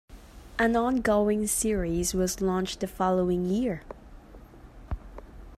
An ongoing series was launched the following year.